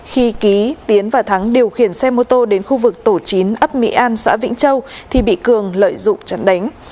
khi ký tiến và thắng điều khiển xe mô tô đến khu vực tổ chín ấp mỹ an xã vĩnh châu thì bị cường lợi dụng chặn đánh